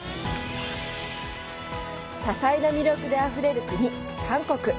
多彩な魅力であふれる国、韓国！